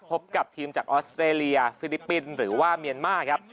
พบกับทีมจากออสเตรเลียฟิลิปปินส์หรือว่าเมียนมาร์ครับ